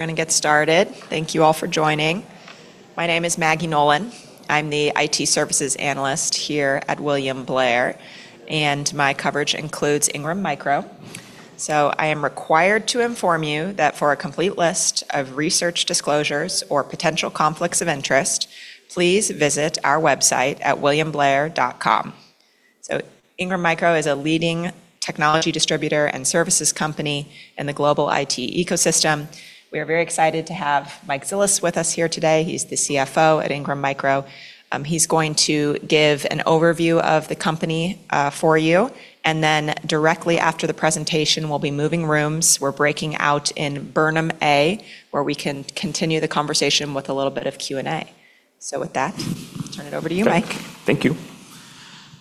We're going to get started. Thank you all for joining. My name is Maggie Nolan. I'm the IT services analyst here at William Blair, and my coverage includes Ingram Micro. I am required to inform you that for a complete list of research disclosures or potential conflicts of interest, please visit our website at williamblair.com. Ingram Micro is a leading technology distributor and services company in the global IT ecosystem. We are very excited to have Mike Zilis with us here today. He's the CFO at Ingram Micro. He's going to give an overview of the company for you, and then directly after the presentation, we'll be moving rooms. We're breaking out in Burnham A, where we can continue the conversation with a little bit of Q&A. With that, I'll turn it over to you, Mike. Thank you.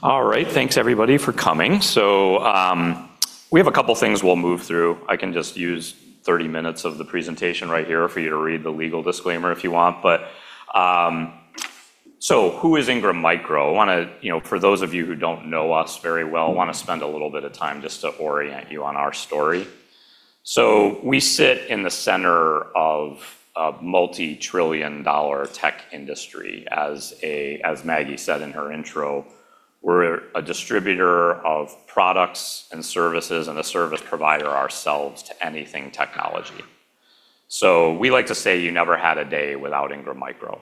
All right. Thanks, everybody, for coming. We have a couple things we'll move through. I can just use 30 minutes of the presentation right here for you to read the legal disclaimer if you want. Who is Ingram Micro? For those of you who don't know us very well, want to spend a little bit of time just to orient you on our story. We sit in the center of a multi-trillion-dollar tech industry. As Maggie said in her intro, we're a distributor of products and services and a service provider ourselves to anything technology. We like to say you never had a day without Ingram Micro,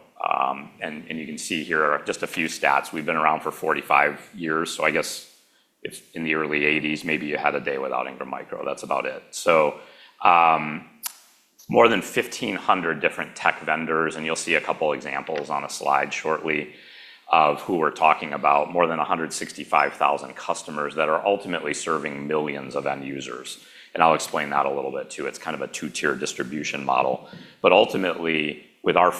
and you can see here just a few stats. We've been around for 45 years, so I guess if in the early '80s maybe you had a day without Ingram Micro, that's about it. More than 1,500 different tech vendors, and you'll see a couple examples on a slide shortly of who we're talking about. More than 165,000 customers that are ultimately serving millions of end users, and I'll explain that a little bit, too. It's kind of a two-tier distribution model. Ultimately, with our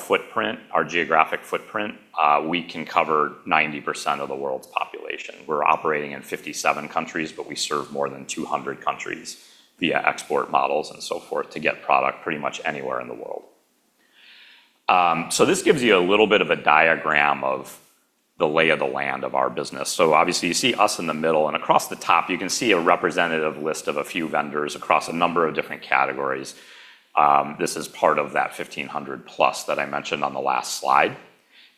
geographic footprint, we can cover 90% of the world's population. We're operating in 57 countries, but we serve more than 200 countries via export models and so forth to get product pretty much anywhere in the world. This gives you a little bit of a diagram of the lay of the land of our business. Obviously, you see us in the middle, and across the top you can see a representative list of a few vendors across a number of different categories. This is part of that 1,500+ that I mentioned on the last slide.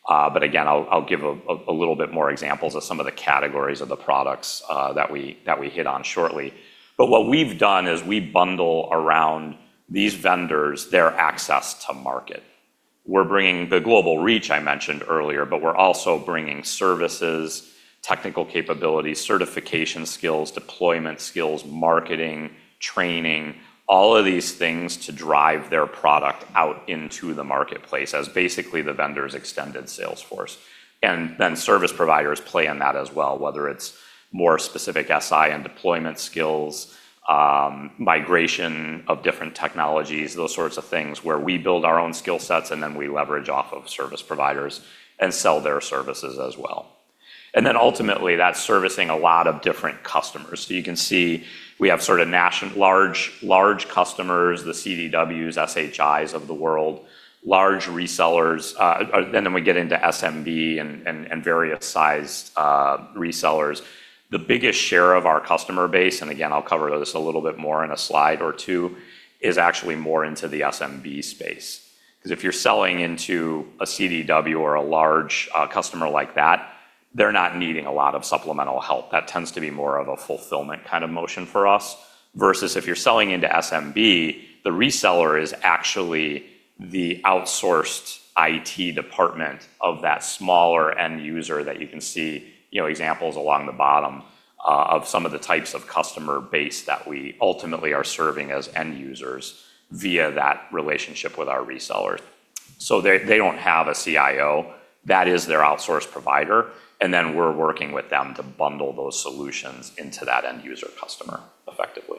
Again, I'll give a little bit more examples of some of the categories of the products that we hit on shortly. What we've done is we bundle around these vendors their access to market. We're bringing the global reach I mentioned earlier, but we're also bringing services, technical capabilities, certification skills, deployment skills, marketing, training, all of these things to drive their product out into the marketplace as basically the vendor's extended sales force. Service providers play in that as well, whether it's more specific SI and deployment skills, migration of different technologies, those sorts of things where we build our own skill sets and then we leverage off of service providers and sell their services as well. Ultimately, that's servicing a lot of different customers. You can see we have large customers, the CDWs, SHIs of the world, large resellers, and then we get into SMB and various sized resellers. The biggest share of our customer base, and again, I'll cover this a little bit more in a slide or two, is actually more into the SMB space, because if you're selling into a CDW or a large customer like that, they're not needing a lot of supplemental help. That tends to be more of a fulfillment kind of motion for us, versus if you're selling into SMB, the reseller is actually the outsourced IT department of that smaller end user that you can see examples along the bottom of some of the types of customer base that we ultimately are serving as end users via that relationship with our resellers. They don't have a CIO. That is their outsource provider, then we're working with them to bundle those solutions into that end user customer effectively.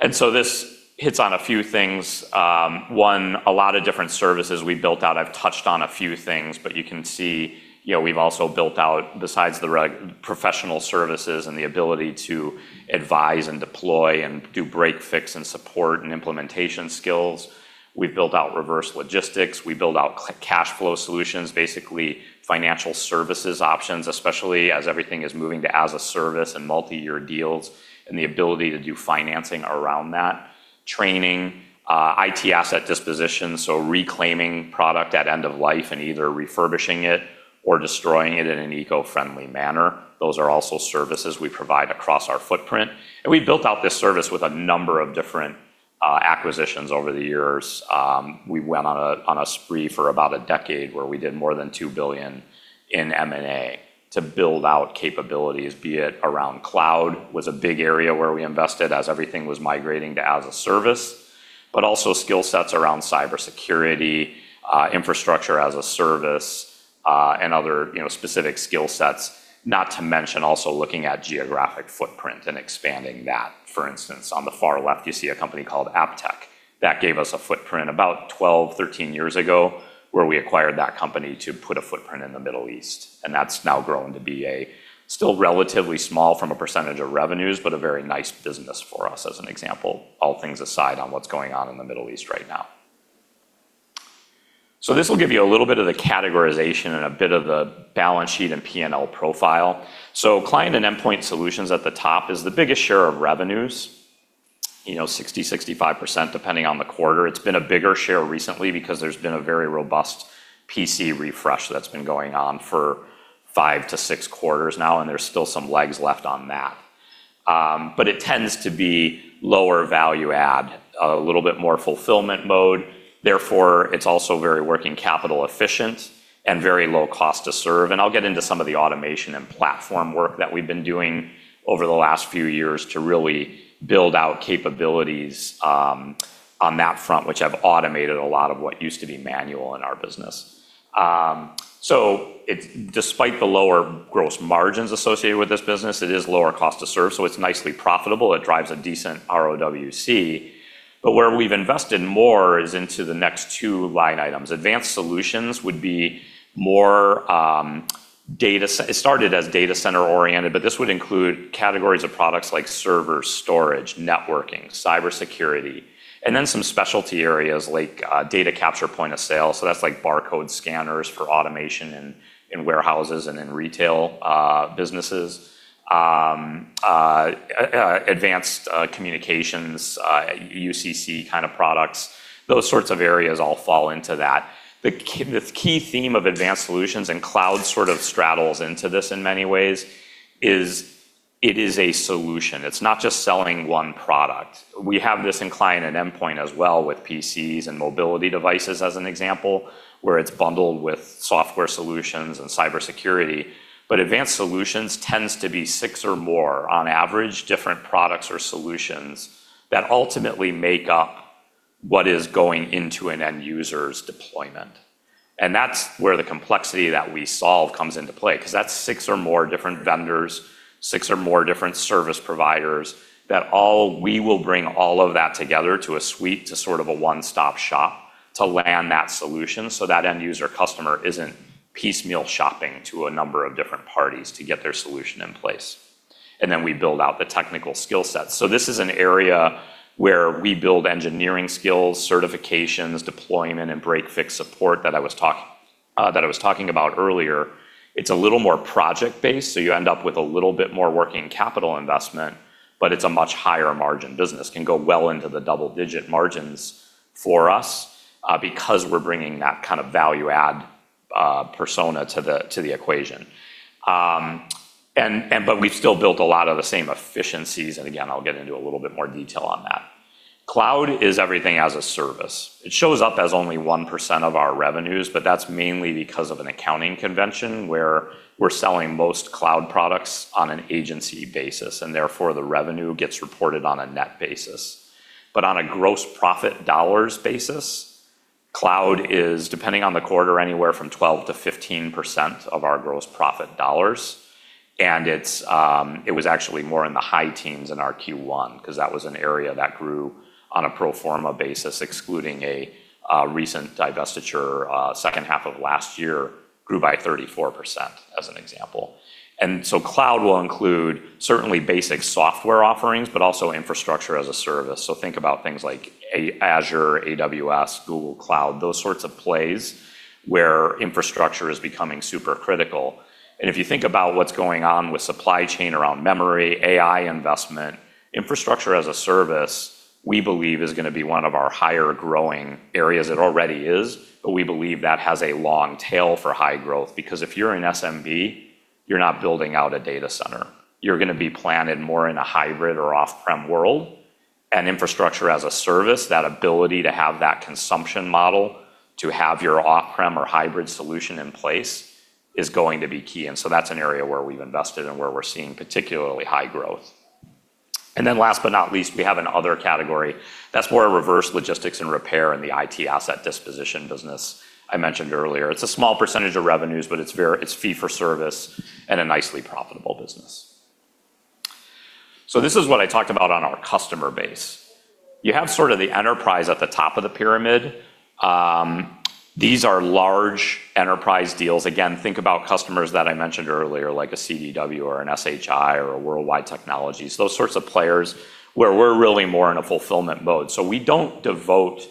This hits on a few things. One, a lot of different services we built out. I've touched on a few things, but you can see we've also built out, besides the professional services and the ability to advise and deploy and do break, fix, and support and implementation skills, we've built out Reverse Logistics. We build out cash flow solutions, basically financial services options, especially as everything is moving to as-a-service and multi-year deals, and the ability to do financing around that. Training, IT asset disposition, so reclaiming product at end of life and either refurbishing it or destroying it in an eco-friendly manner. Those are also services we provide across our footprint. We've built out this service with a number of different acquisitions over the years. We went on a spree for about a decade where we did more than $2 billion in M&A to build out capabilities, be it around Cloud was a big area where we invested as everything was migrating to as-a-service, but also skill sets around cybersecurity, Infrastructure as a Service, and other specific skill sets. Not to mention also looking at geographic footprint and expanding that. For instance, on the far left, you see a company called Aptec. That gave us a footprint about 12, 13 years ago, where we acquired that company to put a footprint in the Middle East, and that's now grown to be still relatively small from a percentage of revenues, but a very nice business for us as an example, all things aside on what's going on in the Middle East right now. This will give you a little bit of the categorization and a bit of the balance sheet and P&L profile. Client and Endpoint Solutions at the top is the biggest share of revenues, 60%, 65%, depending on the quarter. It's been a bigger share recently because there's been a very robust PC refresh that's been going on for five to six quarters now, and there's still some legs left on that. It tends to be lower value add, a little bit more fulfillment mode. Therefore, it's also very working capital efficient and very low cost to serve. I'll get into some of the automation and platform work that we've been doing over the last few years to really build out capabilities on that front, which have automated a lot of what used to be manual in our business. Despite the lower gross margins associated with this business, it is lower cost to serve, so it's nicely profitable. It drives a decent ROWC. Where we've invested more is into the next two line items. Advanced Solutions would be more It started as data center-oriented, but this would include categories of products like server storage, networking, cybersecurity, and then some specialty areas like data capture point of sale, advanced communications, UCC kind of products. That's like barcode scanners for automation in warehouses and in retail businesses. Those sorts of areas all fall into that. The key theme of Advanced Solutions, and Cloud sort of straddles into this in many ways, is it is a solution. It's not just selling one product. We have this in Client and Endpoint as well with PCs and mobility devices as an example, where it's bundled with software solutions and cybersecurity. Advanced Solutions tends to be six or more on average different products or solutions that ultimately make up what is going into an end user's deployment. That's where the complexity that we solve comes into play, because that's six or more different vendors, six or more different service providers that we will bring all of that together to a suite to sort of a one-stop shop to land that solution so that end user customer isn't piecemeal shopping to a number of different parties to get their solution in place. Then we build out the technical skill sets. This is an area where we build engineering skills, certifications, deployment, and break-fix support that I was talking about earlier. It's a little more project-based, so you end up with a little bit more working capital investment, but it's a much higher margin business. Can go well into the double-digit margins for us because we're bringing that kind of value-add persona to the equation. We've still built a lot of the same efficiencies, and again, I'll get into a little bit more detail on that. Cloud is everything as-a-service. It shows up as only 1% of our revenues, but that's mainly because of an accounting convention where we're selling most cloud products on an agency basis, and therefore the revenue gets reported on a net basis. On a gross profit dollars basis, Cloud is, depending on the quarter, anywhere from 12%-15% of our gross profit dollars. It was actually more in the high teens in our Q1 because that was an area that grew on a pro forma basis, excluding a recent divestiture second half of last year, grew by 34%, as an example. Cloud will include certainly basic software offerings, but also Infrastructure as a Service. Think about things like Azure, AWS, Google Cloud, those sorts of plays where infrastructure is becoming super critical. If you think about what's going on with supply chain around memory, AI investment, Infrastructure as a Service, we believe is going to be one of our higher growing areas. It already is, but we believe that has a long tail for high growth because if you're an SMB, you're not building out a data center. You're going to be planted more in a hybrid or off-prem world. Infrastructure as a Service, that ability to have that consumption model, to have your off-prem or hybrid solution in place is going to be key. That's an area where we've invested and where we're seeing particularly high growth. Last but not least, we have an other category that's more Reverse Logistics and repair in the IT asset disposition business I mentioned earlier. It's a small percentage of revenues, but it's fee for service and a nicely profitable business. This is what I talked about on our customer base. You have sort of the enterprise at the top of the pyramid. These are large enterprise deals. Again, think about customers that I mentioned earlier, like a CDW or an SHI or a World Wide Technology, those sorts of players where we're really more in a fulfillment mode. We don't devote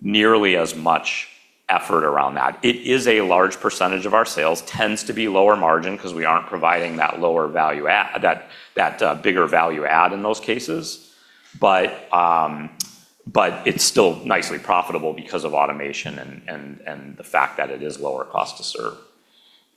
nearly as much effort around that. It is a large percentage of our sales, tends to be lower margin because we aren't providing that bigger value add in those cases. It's still nicely profitable because of automation and the fact that it is lower cost to serve.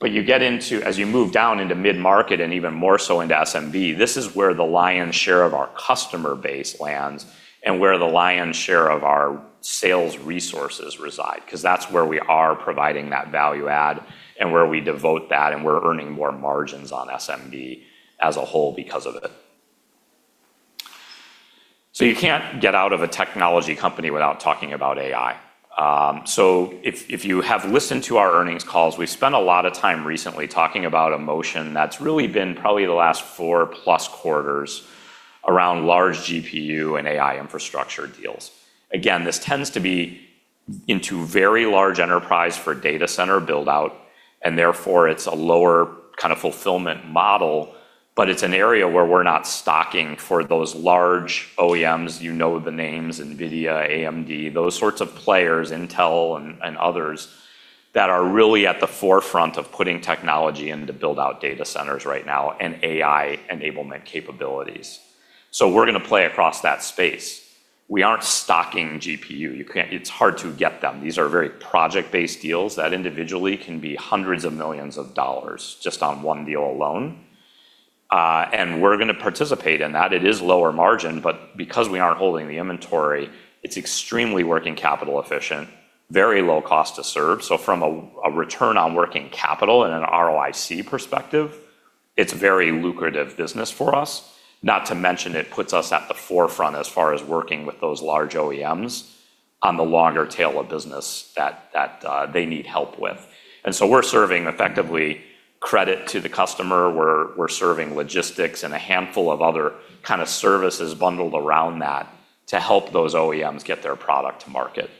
As you move down into mid-market and even more so into SMB, this is where the lion's share of our customer base lands and where the lion's share of our sales resources reside because that's where we are providing that value add and where we devote that and we're earning more margins on SMB as a whole because of it. You can't get out of a technology company without talking about AI. If you have listened to our earnings calls, we've spent a lot of time recently talking about a motion that's really been probably the last four-plus quarters around large GPU and AI infrastructure deals. This tends to be into very large enterprise for data center build-out. Therefore, it's a lower kind of fulfillment model, but it's an area where we're not stocking for those large OEMs. You know the names, NVIDIA, AMD, those sorts of players, Intel and others, that are really at the forefront of putting technology in to build out data centers right now and AI enablement capabilities. We're going to play across that space. We aren't stocking GPU. It's hard to get them. These are very project-based deals that individually can be hundreds of millions of dollars just on one deal alone. We're going to participate in that. It is lower margin, but because we aren't holding the inventory, it's extremely working capital efficient, very low cost to serve. From a return on working capital and an ROIC perspective, it's very lucrative business for us. Not to mention it puts us at the forefront as far as working with those large OEMs on the longer tail of business that they need help with. We're serving effectively credit to the customer. We're serving logistics and a handful of other kind of services bundled around that to help those OEMs get their product to market.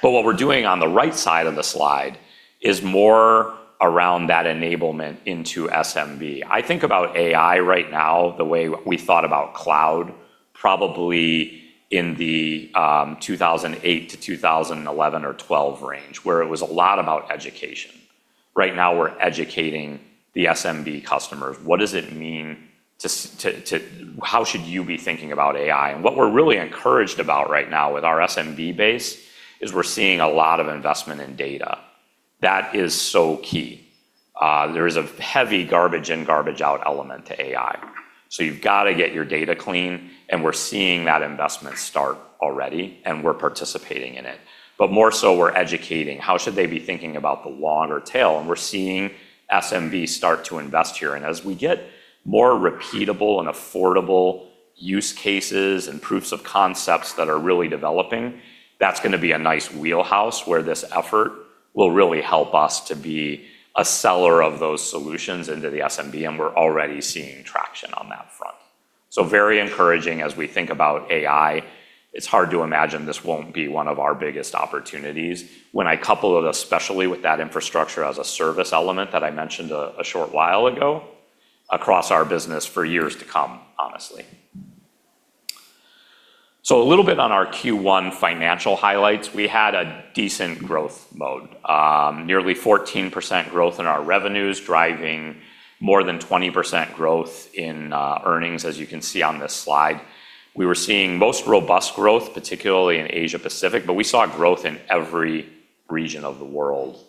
What we're doing on the right side of the slide is more around that enablement into SMB. I think about AI right now, the way we thought about Cloud probably in the 2008 to 2011 or '12 range, where it was a lot about education. Right now, we're educating the SMB customers. How should you be thinking about AI? What we're really encouraged about right now with our SMB base is we're seeing a lot of investment in data. That is so key. There is a heavy garbage in, garbage out element to AI. You've got to get your data clean, and we're seeing that investment start already, and we're participating in it. More so, we're educating. How should they be thinking about the longer tail? We're seeing SMB start to invest here. As we get more repeatable and affordable use cases and proofs of concepts that are really developing, that's going to be a nice wheelhouse where this effort will really help us to be a seller of those solutions into the SMB, and we're already seeing traction on that front. Very encouraging as we think about AI. It's hard to imagine this won't be one of our biggest opportunities when I couple it, especially with that Infrastructure as a Service element that I mentioned a short while ago, across our business for years to come, honestly. A little bit on our Q1 financial highlights. We had a decent growth mode. Nearly 14% growth in our revenues, driving more than 20% growth in earnings, as you can see on this slide. We were seeing most robust growth, particularly in Asia-Pacific. We saw growth in every region of the world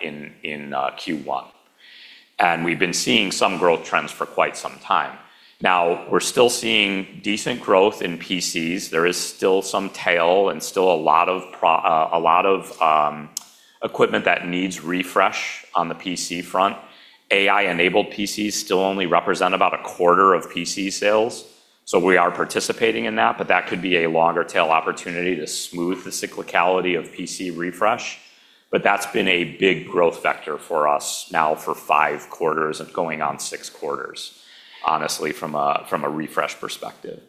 in Q1. We've been seeing some growth trends for quite some time. We're still seeing decent growth in PCs. There is still some tail and still a lot of equipment that needs refresh on the PC front. AI-enabled PCs still only represent about a quarter of PC sales. We are participating in that, but that could be a longer-tail opportunity to smooth the cyclicality of PC refresh. That's been a big growth vector for us now for five quarters and going on six quarters, honestly, from a refresh perspective.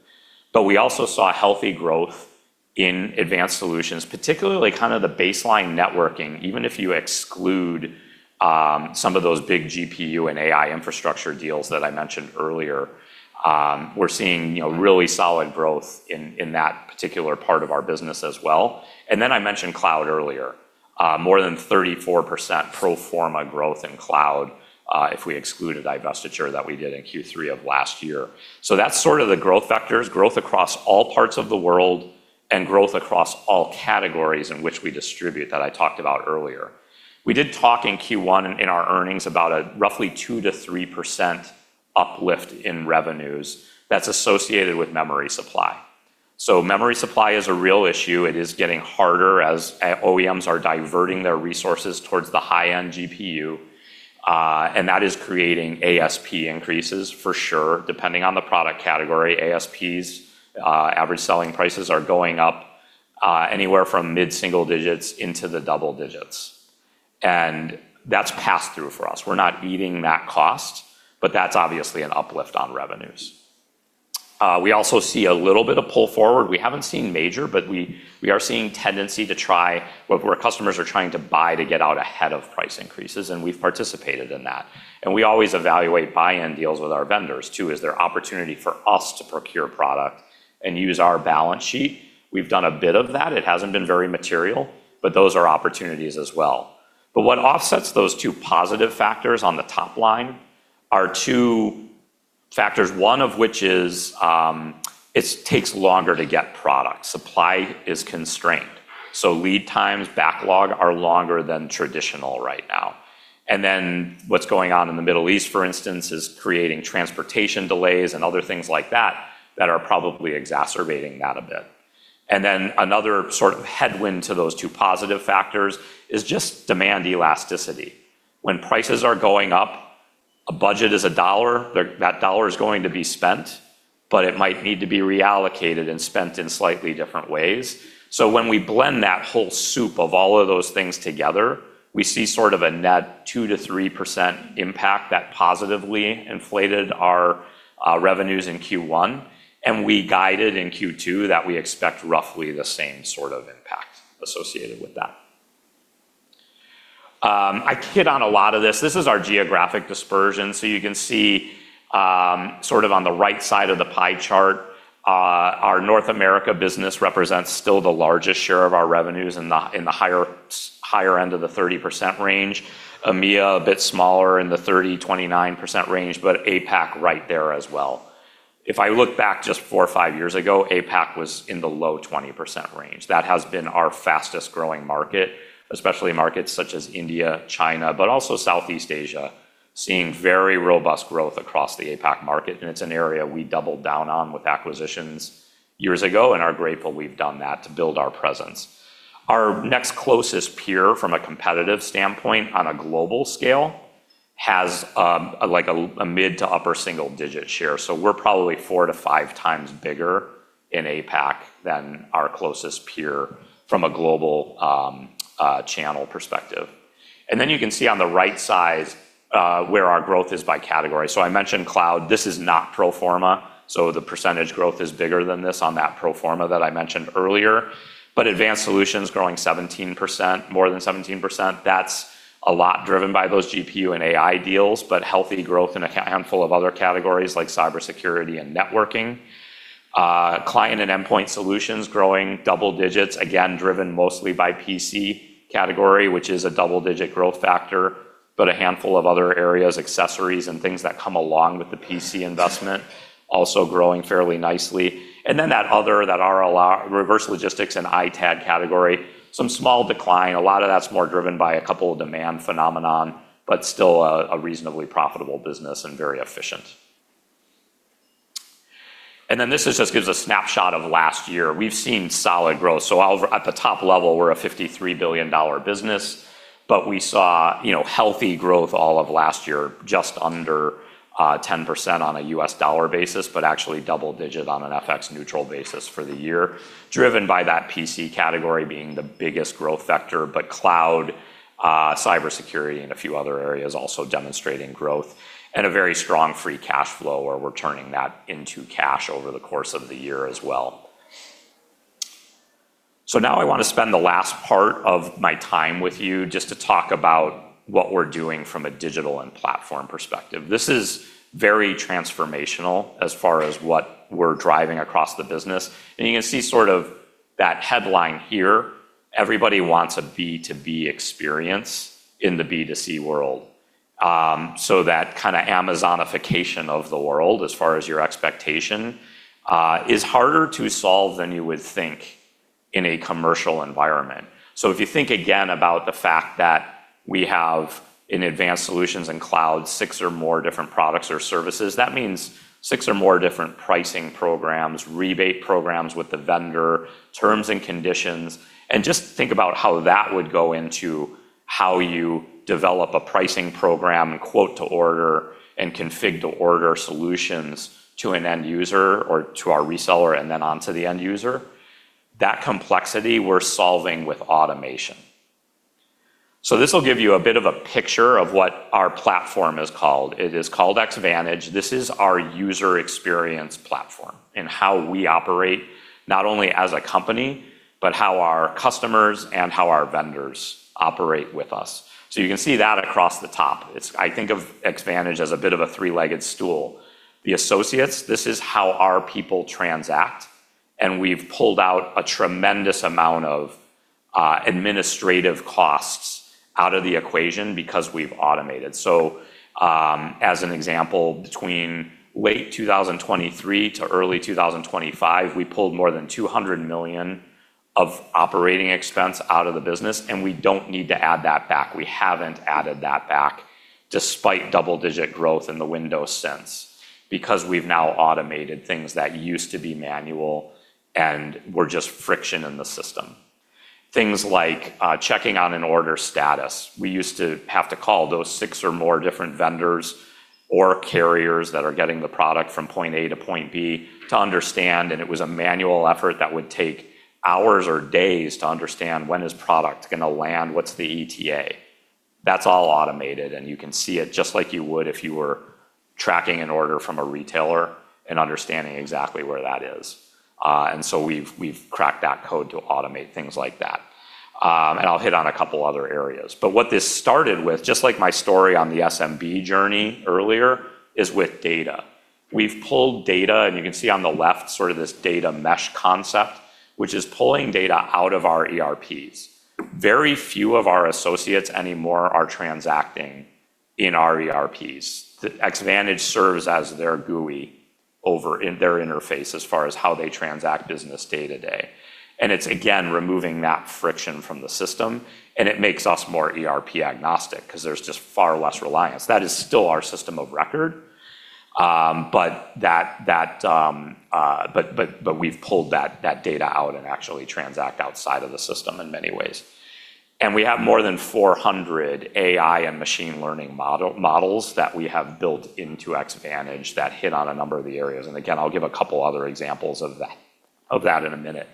We also saw healthy growth in Advanced Solutions, particularly the baseline networking, even if you exclude some of those big GPU and AI infrastructure deals that I mentioned earlier. We're seeing really solid growth in that particular part of our business as well. I mentioned Cloud earlier. More than 34% pro forma growth in Cloud if we exclude a divestiture that we did in Q3 of last year. That's sort of the growth vectors, growth across all parts of the world and growth across all categories in which we distribute that I talked about earlier. We did talk in Q1 in our earnings about a roughly 2%-3% uplift in revenues that's associated with memory supply. Memory supply is a real issue. It is getting harder as OEMs are diverting their resources towards the high-end GPU, and that is creating ASP increases for sure. Depending on the product category, ASPs, average selling prices, are going up anywhere from mid-single digits into the double digits. That's passthrough for us. We're not eating that cost, but that's obviously an uplift on revenues. We also see a little bit of pull forward. We haven't seen major, but we are seeing tendency to try where customers are trying to buy to get out ahead of price increases, and we've participated in that. We always evaluate buy-in deals with our vendors, too. Is there opportunity for us to procure product and use our balance sheet? We've done a bit of that. It hasn't been very material, but those are opportunities as well. What offsets those two positive factors on the top line are two factors, one of which is it takes longer to get product. Supply is constrained. Lead times, backlog are longer than traditional right now. What's going on in the Middle East, for instance, is creating transportation delays and other things like that are probably exacerbating that a bit. Another sort of headwind to those two positive factors is just demand elasticity. When prices are going up, a budget is a dollar, that dollar is going to be spent, but it might need to be reallocated and spent in slightly different ways. When we blend that whole soup of all of those things together, we see sort of a net 2%-3% impact that positively inflated our revenues in Q1, and we guided in Q2 that we expect roughly the same sort of impact associated with that. I kid on a lot of this. This is our geographic dispersion. You can see, sort of on the right side of the pie chart, our North America business represents still the largest share of our revenues in the higher end of the 30% range. EMEA, a bit smaller in the 30%, 29% range, but APAC right there as well. If I look back just four or five years ago, APAC was in the low 20% range. That has been our fastest-growing market, especially markets such as India, China, but also Southeast Asia, seeing very robust growth across the APAC market, and it's an area we doubled down on with acquisitions years ago and are grateful we've done that to build our presence. Our next closest peer from a competitive standpoint on a global scale has a mid to upper single-digit share. We're probably four to five times bigger in APAC than our closest peer from a global channel perspective. Then you can see on the right side where our growth is by category. I mentioned Cloud. This is not pro forma, the percentage growth is bigger than this on that pro forma that I mentioned earlier. Advanced Solutions growing 17%, more than 17%. That's a lot driven by those GPU and AI deals, healthy growth in a handful of other categories like cybersecurity and networking. Client and Endpoint Solutions growing double digits, again, driven mostly by PC category, which is a double-digit growth factor. A handful of other areas, accessories, and things that come along with the PC investment also growing fairly nicely. That other, that RLR, Reverse Logistics and ITAD category, some small decline. A lot of that's more driven by a couple of demand phenomenon, still a reasonably profitable business and very efficient. This just gives a snapshot of last year. We've seen solid growth. At the top level, we're a $53 billion business, but we saw healthy growth all of last year, just under 10% on a U.S. dollar basis, but actually double-digit on an FX neutral basis for the year, driven by that PC category being the biggest growth vector. Cloud, cybersecurity, and a few other areas also demonstrating growth and a very strong free cash flow where we're turning that into cash over the course of the year as well. Now I want to spend the last part of my time with you just to talk about what we're doing from a digital and platform perspective. This is very transformational as far as what we're driving across the business. You can see sort of that headline here. Everybody wants a B2B experience in the B2C world. That kind of Amazonification of the world as far as your expectation, is harder to solve than you would think in a commercial environment. If you think again about the fact that we have, in Advanced Solutions and Cloud, six or more different products or services. That means six or more different pricing programs, rebate programs with the vendor, terms and conditions, and just think about how that would go into how you develop a pricing program and quote to order and Configure-to-Order solutions to an end user or to our reseller and then on to the end user. That complexity we're solving with automation. This will give you a bit of a picture of what our platform is called. It is called Xvantage. This is our user experience platform and how we operate not only as a company, but how our customers and how our vendors operate with us. You can see that across the top. I think of Xvantage as a bit of a three-legged stool. The associates, this is how our people transact, and we've pulled out a tremendous amount of administrative costs out of the equation because we've automated. As an example, between late 2023 to early 2025, we pulled more than $200 million of operating expense out of the business, and we don't need to add that back. We haven't added that back despite double-digit growth in the windows since, because we've now automated things that used to be manual and were just friction in the system. Things like checking on an order status. We used to have to call those six or more different vendors or carriers that are getting the product from point A to point B to understand. It was a manual effort that would take hours or days to understand when is product going to land? What's the ETA? That's all automated, and you can see it just like you would if you were tracking an order from a retailer and understanding exactly where that is. We've cracked that code to automate things like that. I'll hit on a couple other areas. What this started with, just like my story on the SMB journey earlier, is with data. We've pulled data, and you can see on the left sort of this data mesh concept, which is pulling data out of our ERPs. Very few of our associates anymore are transacting in our ERPs. Xvantage serves as their GUI over in their interface as far as how they transact business day to day. It's, again, removing that friction from the system, and it makes us more ERP-agnostic because there's just far less reliance. That is still our system of record, but we've pulled that data out and actually transact outside of the system in many ways. We have more than 400 AI and machine learning models that we have built into Xvantage that hit on a number of the areas. Again, I'll give a couple other examples of that in a minute.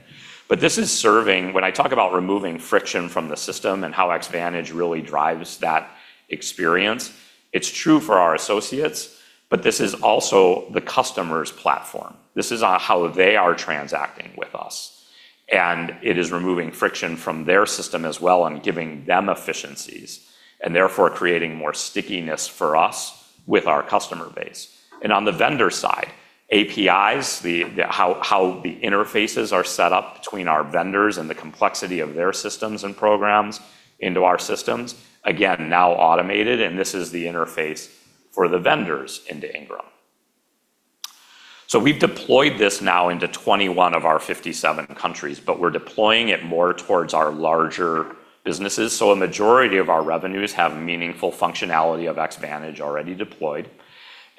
When I talk about removing friction from the system and how Xvantage really drives that experience, it's true for our associates, but this is also the customer's platform. This is how they are transacting with us. It is removing friction from their system as well and giving them efficiencies, and therefore creating more stickiness for us with our customer base. On the vendor side, APIs, how the interfaces are set up between our vendors and the complexity of their systems and programs into our systems, again, now automated, and this is the interface for the vendors into Ingram. We've deployed this now into 21 of our 57 countries, but we're deploying it more towards our larger businesses. A majority of our revenues have meaningful functionality of Xvantage already deployed.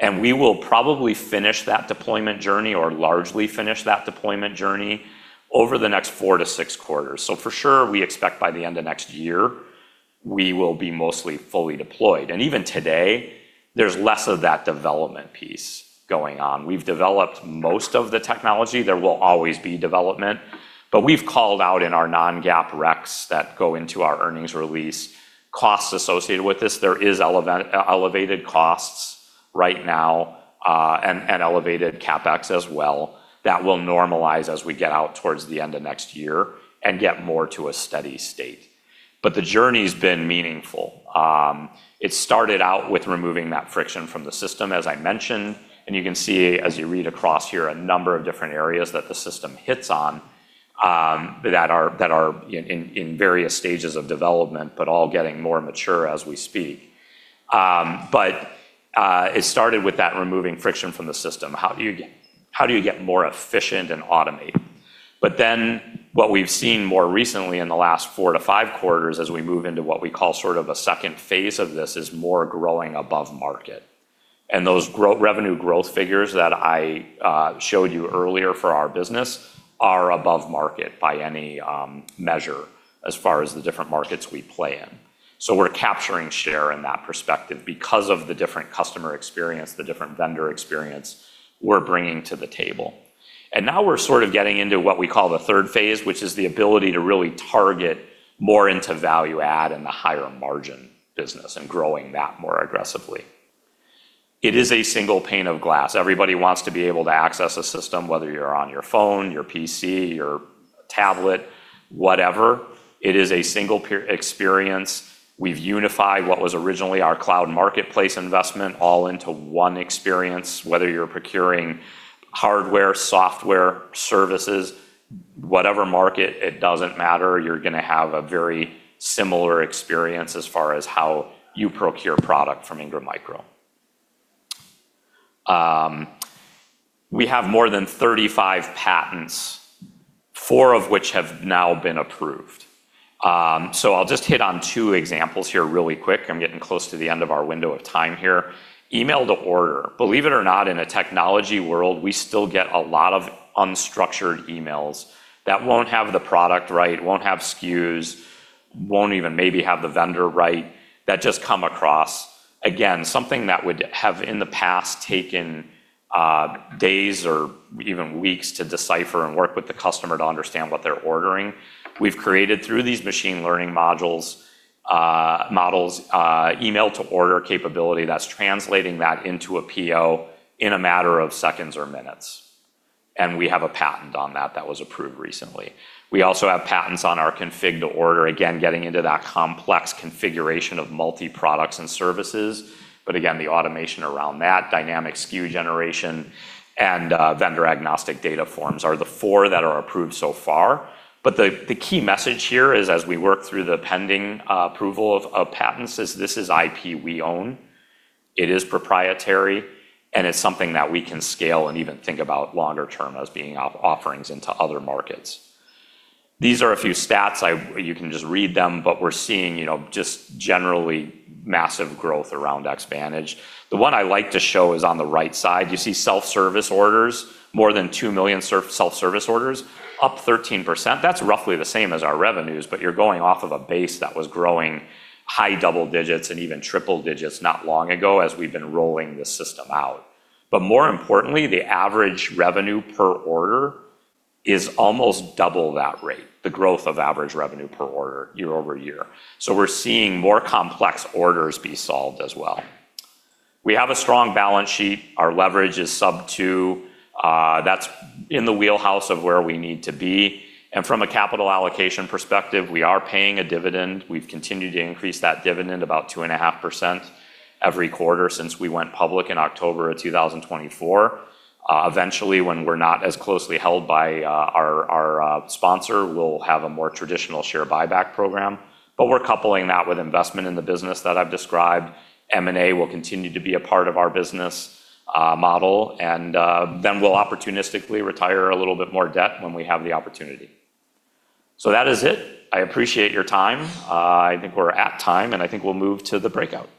We will probably finish that deployment journey, or largely finish that deployment journey over the next four to six quarters. For sure, we expect by the end of next year we will be mostly fully deployed. Even today, there's less of that development piece going on. We've developed most of the technology. There will always be development, but we've called out in our non-GAAP recs that go into our earnings release costs associated with this. There is elevated costs right now, and elevated CapEx as well that will normalize as we get out towards the end of next year and get more to a steady state. The journey's been meaningful. It started out with removing that friction from the system, as I mentioned, and you can see as you read across here, a number of different areas that the system hits on, that are in various stages of development, but all getting more mature as we speak. It started with that removing friction from the system. How do you get more efficient and automate? What we've seen more recently in the last four to five quarters, as we move into what we call sort of a second phase of this, is more growing above market. Those revenue growth figures that I showed you earlier for our business are above market by any measure as far as the different markets we play in. We're capturing share in that perspective because of the different customer experience, the different vendor experience we're bringing to the table. Now we're sort of getting into what we call the third phase, which is the ability to really target more into value add and the higher margin business, and growing that more aggressively. It is a single pane of glass. Everybody wants to be able to access a system, whether you're on your phone, your PC, your tablet, whatever. It is a single experience. We've unified what was originally our Cloud marketplace investment all into one experience. Whether you're procuring hardware, software, services, whatever market, it doesn't matter, you're going to have a very similar experience as far as how you procure product from Ingram Micro. We have more than 35 patents, four of which have now been approved. I'll just hit on two examples here really quick. I'm getting close to the end of our window of time here. email to order. Believe it or not, in a technology world, we still get a lot of unstructured emails that won't have the product right, won't have SKUs, won't even maybe have the vendor right, that just come across. Something that would have in the past taken days or even weeks to decipher and work with the customer to understand what they're ordering. We've created through these machine learning models email to order capability that's translating that into a PO in a matter of seconds or minutes, and we have a patent on that that was approved recently. We also have patents on our Config-to-Order. Getting into that complex configuration of multi-products and services. The automation around that dynamic SKU generation and vendor-agnostic data forms are the four that are approved so far. The key message here is, as we work through the pending approval of patents, is this is IP we own, it is proprietary, and it's something that we can scale and even think about longer term as being offerings into other markets. These are a few stats. You can just read them, we're seeing just generally massive growth around Xvantage. The one I like to show is on the right side. You see self-service orders, more than 2 million self-service orders, up 13%. That's roughly the same as our revenues, you're going off of a base that was growing high double digits and even triple digits not long ago as we've been rolling this system out. More importantly, the average revenue per order is almost double that rate, the growth of average revenue per order year-over-year. We're seeing more complex orders be solved as well. We have a strong balance sheet. Our leverage is sub 2. That's in the wheelhouse of where we need to be. From a capital allocation perspective, we are paying a dividend. We've continued to increase that dividend about 2.5% every quarter since we went public in October of 2024. Eventually, when we're not as closely held by our sponsor, we'll have a more traditional share buyback program. We're coupling that with investment in the business that I've described. M&A will continue to be a part of our business model, and then we'll opportunistically retire a little bit more debt when we have the opportunity. That is it. I appreciate your time. I think we're at time, and I think we'll move to the breakout.